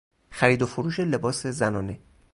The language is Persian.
خرید وفروش لباس زنانه